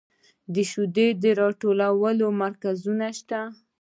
د شیدو راټولولو مرکزونه شته؟